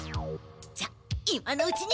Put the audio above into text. じゃ今のうちに！